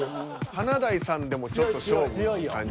華大さんでもちょっと勝負って感じは。